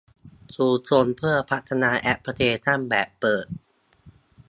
ชุมชนเพื่อพัฒนาแอพลิเคชั่นแบบเปิด